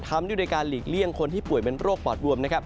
ทำด้วยโดยการหลีกเลี่ยงคนที่ป่วยเป็นโรคปอดบวมนะครับ